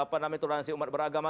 apa namanya itu transisi umat beragama